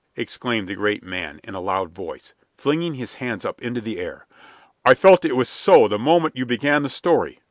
exclaimed the great man, in a loud voice, flinging his hands up into the air. "I felt it was so the moment you began the story.